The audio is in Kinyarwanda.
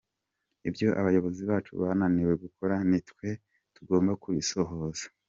Ibyo abayobozi bacu bananiwe gukora nitwe tugomba kubisohoza.